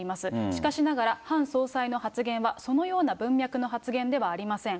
しかしながら、ハン総裁の発言は、そのような文脈の発言ではありません。